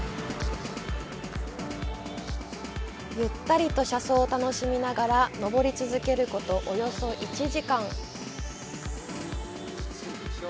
ゆったりと車窓を楽しみながら登り続けることおよそ１時間。